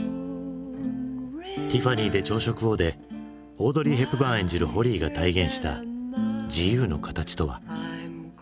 「ティファニーで朝食を」でオードリー・ヘプバーン演じるホリーが体現した自由の形とは？